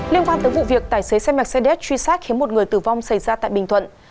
liên quan tới vụ việc tài xế xe mercedes truy sát khiến một người tử vong xảy ra tại bình thuận